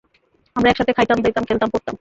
আমরা একসাথে খাইতাম-দাইতাম, খেলতাম, পড়তাম।